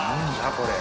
これ。